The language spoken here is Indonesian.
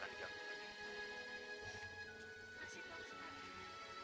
apa kau merasa takut